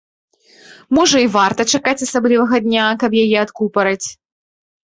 Можа і варта чакаць асаблівага дня, каб яе адкупарыць?